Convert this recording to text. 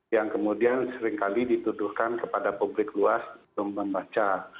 yang kemudian seringkali dituduhkan kepada publik luas untuk membaca